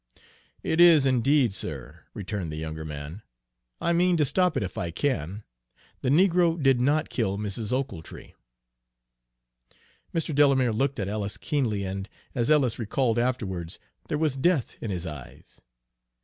"It is indeed, sir!" returned the younger man. "I mean to stop it if I can. The negro did not kill Mrs. Ochiltree." Mr. Delamere looked at Ellis keenly, and, as Ellis recalled afterwards, there was death in his eyes.